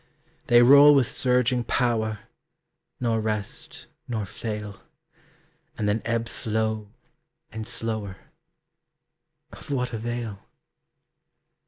They roll with surging power, Nor rest, nor fail And then ebb slow and slower Of what avail?